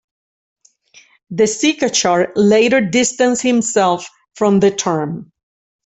Desikachar later distanced himself from the term.